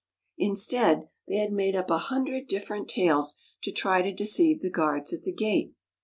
Instead, they had made up a hundred different tales to try to deceive the guards at the gate.